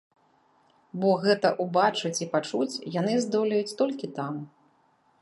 Бо гэта ўбачыць і пачуць яны здолеюць толькі там.